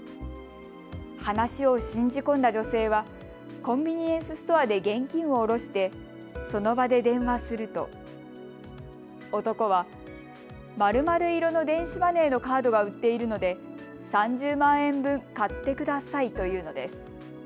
話を信じ込んだ女性はコンビニエンスストアで現金を下ろしてその場で電話すると男は○○色の電子マネーのカードが売っているので３０万円分、買ってくださいと言うのです。